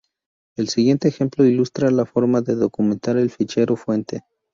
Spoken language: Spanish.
El siguiente ejemplo ilustra la forma de documentar un fichero fuente.